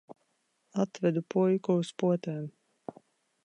Atvedu puiku uz potēm.